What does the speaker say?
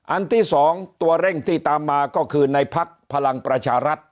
อันที่๒ตัวเร่งที่ตามมาก็คือในพักพลังประชารัฐ